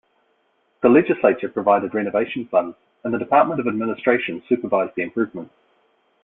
The Legislature provided renovation funds and the Department of Administration supervised the improvements.